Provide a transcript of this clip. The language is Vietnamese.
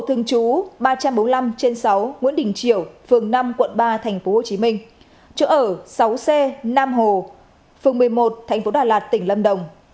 thương chú ba trăm bốn mươi năm trên sáu nguyễn đình triều phường năm quận ba tp hcm chỗ ở sáu c nam hồ phường một mươi một tp đà lạt tỉnh lâm đồng